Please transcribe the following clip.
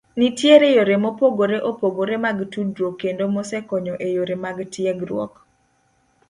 Nitiere yore mopogore opogore mag tudruok kendo mosekonyo e yore mag tiegruok.